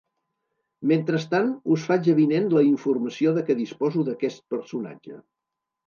Mentrestant us faig avinent la informació de que disposo d’aquest personatge.